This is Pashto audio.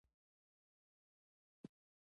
قهوه د رڼا فکر سرچینه ده